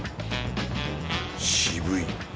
渋い！